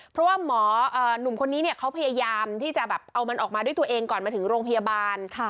เพราะว่าหมอหนุ่มคนนี้เขาพยายามที่จะแบบเอามันออกมาด้วยตัวเองก่อนมาถึงโรงพยาบาล